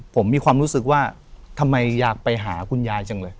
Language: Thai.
ผมมีความรู้สึกว่าทำไมอยากไปหาคุณยายจังเลย